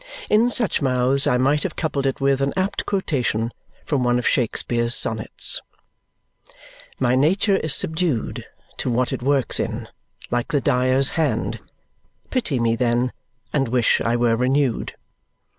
In such mouths I might have coupled it with an apt quotation from one of Shakespeare's sonnets: "My nature is subdued To what it works in, like the dyer's hand: Pity me, then, and wish I were renewed!"